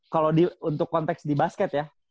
kalau untuk konteks di basket ya